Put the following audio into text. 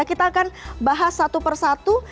kita akan bahas satu per satu